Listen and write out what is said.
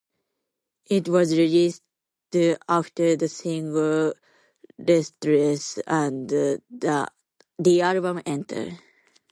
It was released after the single "Restless" and the album "Enter".